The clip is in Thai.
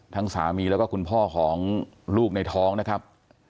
สามีแล้วก็คุณพ่อของลูกในท้องนะครับ